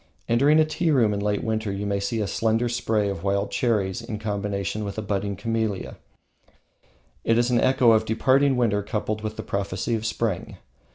Entering a tea room in late winter, you may see a slender spray of wild cherries in combination with a budding camellia; it is an echo of departing winter coupled with the prophecy of spring.